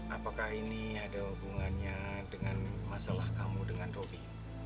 apakah ini ada hubungannya dengan masalah kamu dengan roby